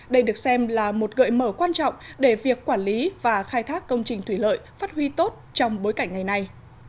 đây được xem là một gợi mở quan trọng để việc quản lý và khai thác công trình thủy lợi phát huy tốt trong bối cảnh ngày nay